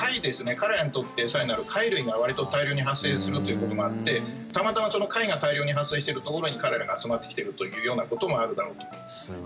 彼らにとって餌になる貝類がわりと大量に発生するということもあってたまたま貝が大量に発生しているところに彼らが集まってきているということもあるだろうと。